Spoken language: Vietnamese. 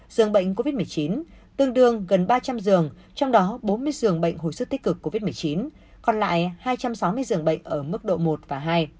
dường bệnh covid một mươi chín tương đương gần ba trăm linh giường trong đó bốn mươi giường bệnh hồi sức tích cực covid một mươi chín còn lại hai trăm sáu mươi giường bệnh ở mức độ một và hai